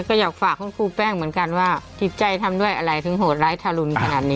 ก็อยากฝากคุณครูแป้งเหมือนกันว่าจิตใจทำด้วยอะไรถึงโหดร้ายทารุณขนาดนี้